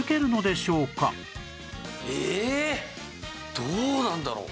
どうなんだろう？